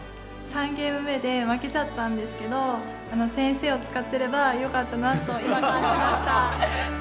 ３ゲーム目で負けちゃったんですけど先生を使ってればよかったなと今感じました。